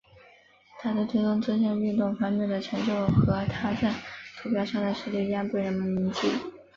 他在推动这项运动方面的成就和他在土俵上的实力一样被人们铭记。